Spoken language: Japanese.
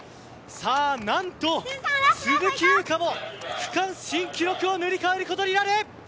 なんと鈴木優花も区間新記録を塗り替えることになる。